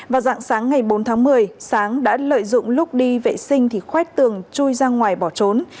vào dạng sáng ngày bốn tháng một mươi sáng đã lợi dụng lúc đi vệ sinh thì khoét tường chui ra ngoài bỏ trốn